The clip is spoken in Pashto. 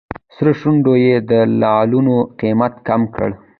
سرو شونډو یې د لعلونو قیمت کم کړ.